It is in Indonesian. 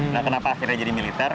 nah kenapa akhirnya jadi militer